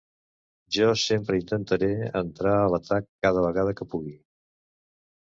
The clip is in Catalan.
Jo sempre intentaré entrar en l'atac cada vegada que pugui.